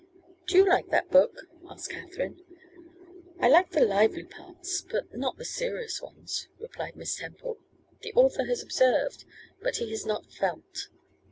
'Do you like that book?' said Katherine. 'I like the lively parts, but not the serious ones,' replied Miss Temple; 'the author has observed but he has not felt.